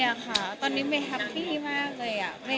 ไม่อะค่ะตอนนี้เมย์แฮปปี้มากเลยย์